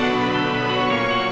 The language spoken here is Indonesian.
aku mau ke rumah